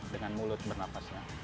dengan mulut bernafasnya